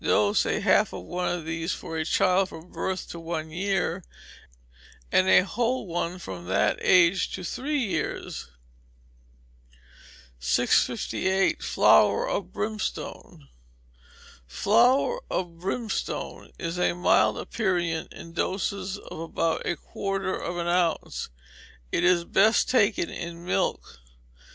Dose, half of one of these for a child from birth to one year, and a whole one from that age to three years. 658. Flour of Brimstone is a mild aperient in doses of about a quarter of an ounce; it is best taken in milk.